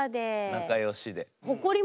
仲よしで。